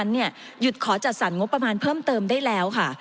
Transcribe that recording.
หยุดขอจัดสรรงบประมาณเพิ่มเติมได้แล้วค่ะ